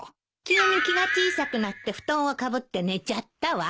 急に気が小さくなって布団をかぶって寝ちゃったわ。